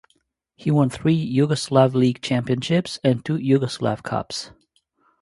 He won three Yugoslav League championships and two Yugoslav Cups.